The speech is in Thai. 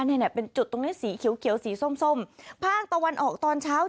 เนี่ยเป็นจุดตรงนี้สีเขียวเขียวสีส้มส้มภาคตะวันออกตอนเช้า